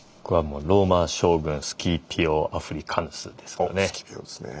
これは「ローマ将軍スキピオ・アフリカヌス」ですかね。